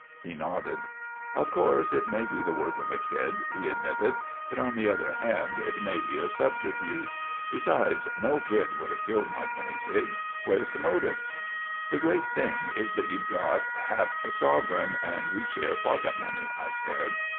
He nodded. "Of course, it may be the work of a kid," he admitted. "But, on the other hand, it may be a subterfuge. Besides, no kid would have killed my guinea pig. Where's the motive?" "The great thing is that you've got half a sovereign and we share pocket money," I said.